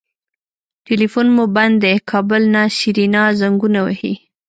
ټليفون مو بند دی کابل نه سېرېنا زنګونه وهي.